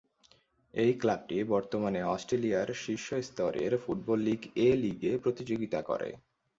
এই ক্লাবটি বর্তমানে অস্ট্রেলিয়ার শীর্ষ স্তরের ফুটবল লীগ এ-লীগে প্রতিযোগিতা করে।